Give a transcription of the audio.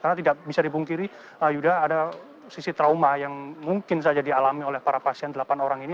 karena tidak bisa dibungkiri yuda ada sisi trauma yang mungkin saja dialami oleh para pasien delapan orang ini